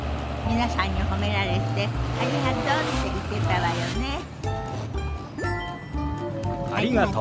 皆さんに褒められて「ありがとう」って言ってたわよね。